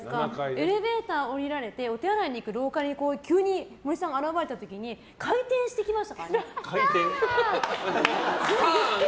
エレベーター降りられてお手洗いに行く廊下で急に森さんが現れた時に回転してきましたからね。